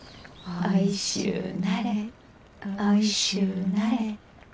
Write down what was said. おいしゅうなれ。